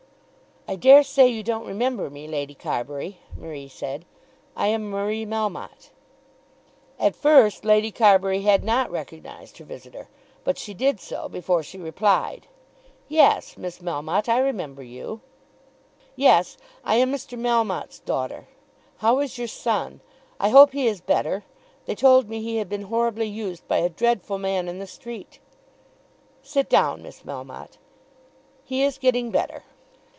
"I dare say you don't remember me, Lady Carbury," Marie said. "I am Marie Melmotte." At first Lady Carbury had not recognised her visitor; but she did so before she replied. "Yes, Miss Melmotte, I remember you." "Yes; I am Mr. Melmotte's daughter. How is your son? I hope he is better. They told me he had been horribly used by a dreadful man in the street." "Sit down, Miss Melmotte. He is getting better."